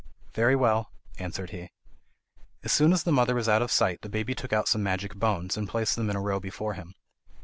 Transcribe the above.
"Very well," answered he. As soon as his mother was out of sight, the baby took out some magic bones, and placed them in a row before him.